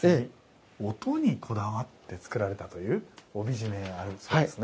音にこだわって作られたという帯締めがあるそうですね。